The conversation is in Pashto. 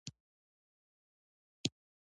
غوږونه د فکر نور خپروي